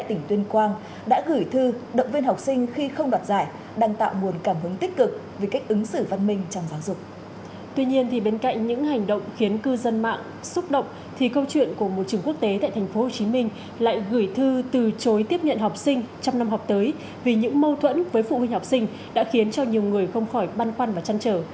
tuy nhiên thì bên cạnh những hành động khiến cư dân mạng xúc động thì câu chuyện của một trường quốc tế tại thành phố hồ chí minh lại gửi thư từ chối tiếp nhận học sinh trong năm học tới vì những mâu thuẫn với phụ huynh học sinh đã khiến cho nhiều người không khỏi băn khoăn và chăn trở